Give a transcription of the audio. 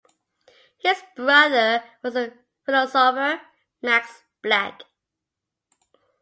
His brother was the philosopher Max Black.